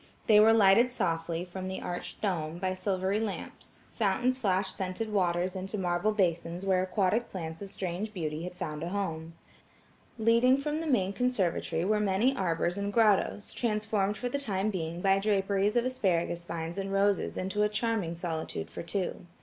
They were lighted softly, from the arched dome, by silvery lamps; fountains flashed scented waters into marble basins where aquatic plants of strange beauty had found a home. Leading from the main conservatory were many arbors and grottoes, transformed for the time being by draperies of asparagus vines and roses into a charming solitude for two.